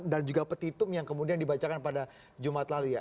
dan juga petitum yang kemudian dibacakan pada jumat lalu ya